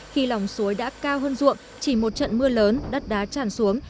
khi lòng suối đã cao hơn ruộng chỉ một trận mưa lớn đất đá tràn xuống